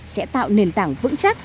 sẽ tạo nền tảng vững chắc